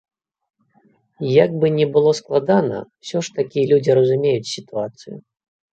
Як бы не было складана, усё ж такі людзі разумеюць сітуацыю.